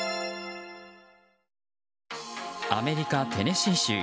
アメリカ・テネシー州。